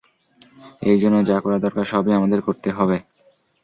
এর জন্য যা করা দরকার সবই আমাদের করতে হবে।